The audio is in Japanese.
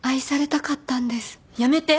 やめて。